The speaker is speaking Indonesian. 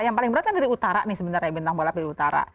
yang paling berat kan dari utara nih sebenarnya bintang bola dari utara